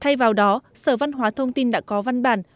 sau đó sở văn hóa thông tin đã có văn bản